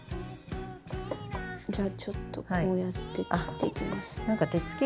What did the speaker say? じゃあちょっとこうやって切っていきます。